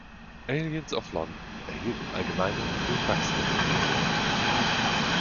„Aliens of London“ erhielt im Allgemeinen durchwachsene Rezensionen.